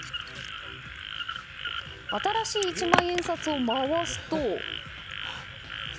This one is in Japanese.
新しい一万円札を回すと。